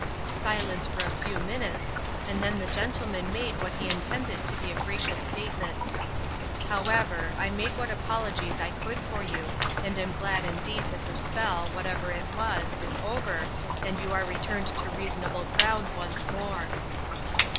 Silence for a few minutes, and then the gentle man made what he intended to be a gracious state* ment :" However, I made what apologies I could for you, and am glad indeed that the spell, what ever it was, is over, and you are returned to rea sonable ground once more."